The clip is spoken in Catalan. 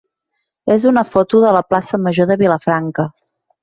és una foto de la plaça major de Vilafranca.